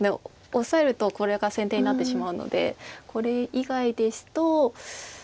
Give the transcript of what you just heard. オサえるとこれが先手になってしまうのでこれ以外ですと。